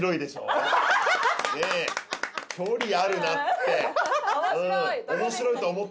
距離あるなって。